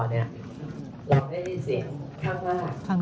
เราได้ได้เสียงข้างมาก